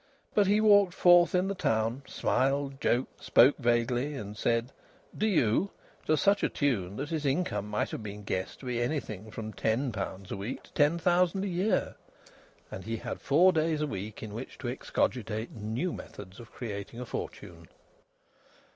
But, he walked forth in the town, smiled, joked, spoke vaguely, and said, "Do you?" to such a tune that his income might have been guessed to be anything from ten pounds a week to ten thousand a year. And he had four days a week in which to excogitate new methods of creating a fortune.